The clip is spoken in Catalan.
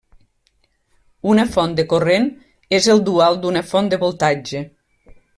Una font de corrent és el dual d'una font de voltatge.